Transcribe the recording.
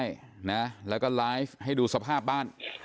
และไลฟ์ให้ทุกคนที่มาดูสภาพบ้าน